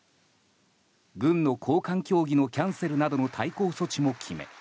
軍の高官協議のキャンセルなどの対抗措置も決め